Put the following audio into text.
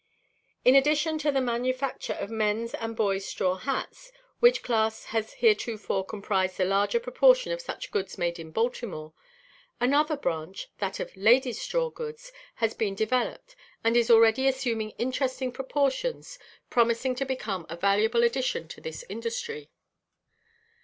In addition to the manufacture of men's and boys' straw hats, which class has heretofore comprised the larger proportion of such goods made in Baltimore, another branch, that of ladies' straw goods, has been developed, and is already assuming interesting proportions, promising to become a valuable addition to this industry.